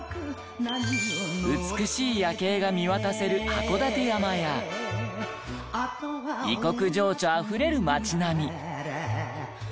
美しい夜景が見渡せる函館山や異国情緒あふれる街並み。